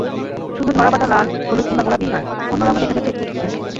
শুধু ধরাবাঁধা লাল, হলুদ কিংবা গোলাপিই নয়, অন্য রংও দেখা যাচ্ছে স্কুটিতে।